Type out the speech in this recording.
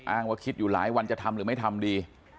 ว่าคิดอยู่หลายวันจะทำหรือไม่ทำดี